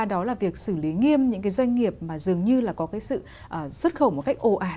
đó là việc xử lý nghiêm những cái doanh nghiệp mà dường như là có cái sự xuất khẩu một cách ồ ạt